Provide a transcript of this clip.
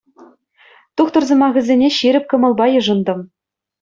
Тухтӑр сӑмахӗсене ҫирӗп кӑмӑлпа йышӑнтӑм.